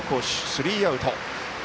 スリーアウト。